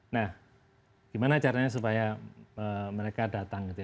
nah gimana caranya supaya mereka datang gitu ya